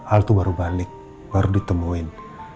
al tuh baru balik baru ditemuin